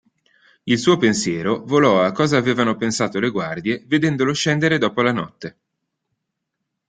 Il suo pensiero volò a cosa avevano pensato le guardie vedendolo scendere dopo la notte.